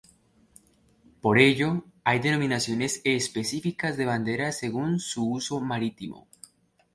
Por ello, hay denominaciones específicas de banderas según su uso marítimo.